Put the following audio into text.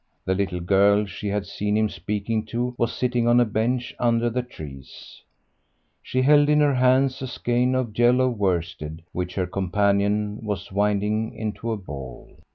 The little girl she had seen him speaking to was sitting on a bench under the trees; she held in her hands a skein of yellow worsted which her companion was winding into a ball.